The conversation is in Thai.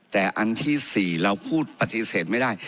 แต่อันที่๔เราพูดปฏิเสธไม่ได้